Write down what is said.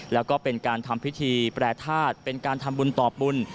แล้วก็เป็นการทำพิธีแปรทาสเป็นการทำบุญต่อบุญ